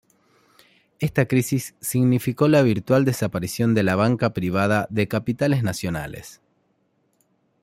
Esta crisis significó la virtual desaparición de la banca privada de capitales nacionales.